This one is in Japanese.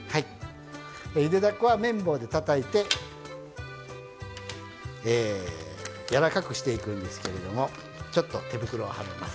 ゆでだこは麺棒でたたいてえやわらかくしていくんですけれどもちょっと手袋をはめます。